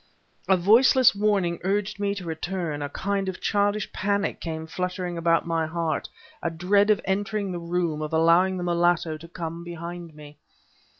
A voiceless warning urged me to return; a kind of childish panic came fluttering about my heart, a dread of entering the room, of allowing the mulatto to come behind me.